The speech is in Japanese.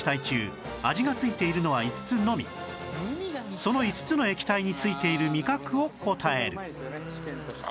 その５つの液体に付いている味覚を答える